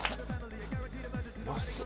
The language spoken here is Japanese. うまそう。